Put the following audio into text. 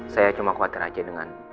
saya cuma khawatir aja dengan